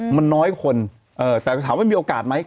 มันน้อยคนแต่ถามว่ามีโอกาสไหม